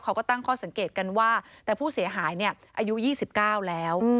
เขาก็ตั้งข้อสังเกตกันว่าแต่ผู้เสียหายอายุ๒๙แล้ว